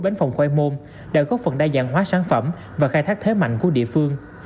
bánh phồng khoai môn đều góp phần đa dạng hóa sản phẩm và khai thác thế mạnh của địa phương